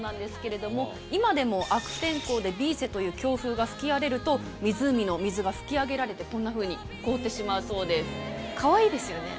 今でも悪天候でビーセという強風が吹き荒れると湖の水が吹き上げられてこんなふうに凍ってしまうそうです。